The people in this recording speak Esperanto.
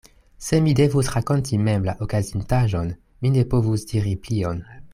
Se mi devus rakonti mem la okazintaĵon, mi ne povus diri plion.